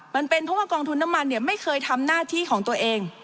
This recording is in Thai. มันเป็นเพราะว่ากองทุนน้ำมันเนี่ยไม่เคยทำหน้าที่ของตัวเอง